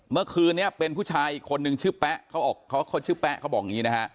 เมื่อคืนนี้เป็นผู้ชายอีกคนนึงชื่อแป๊ะเขาชื่อแป๊ะเขาบอกอย่างนี้นะฮะ